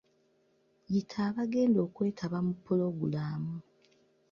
Yita abagenda okwetaba mu Pulogulaamu.